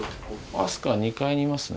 明日香２階にいますね。